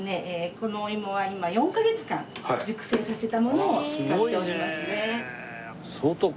このお芋は今４カ月間熟成させたものを使っておりますね。